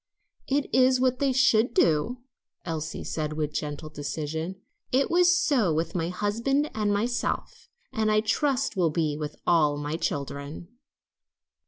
"It is what they should do," Elsie said with gentle decision. "It was so with my husband and myself, and I trust will be with all my children."